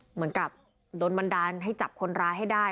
เหมือนกับโดนบันดาลให้จับคนร้ายให้ได้